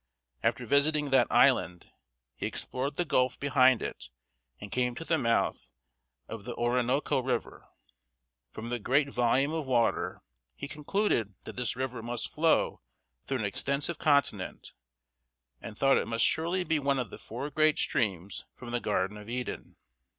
After visiting that island, he explored the gulf behind it, and came to the mouth of the O ri no´co River. From the great volume of water, he concluded that this river must flow through an extensive continent, and thought it must surely be one of the four great streams from the Garden of Eden!